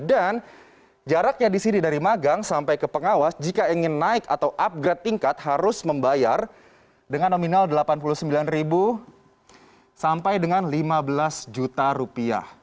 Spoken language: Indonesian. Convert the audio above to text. dan jaraknya di sini dari magang sampai ke pengawas jika ingin naik atau upgrade tingkat harus membayar dengan nominal rp delapan puluh sembilan sampai dengan rp lima belas